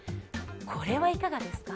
これはいかがですか？